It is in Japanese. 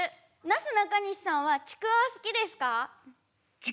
なすなかにしさんはちくわは好きですか？